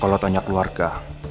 kalau tanya keluarga